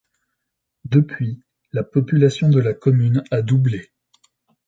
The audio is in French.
Depuis, la population de la commune a doublé.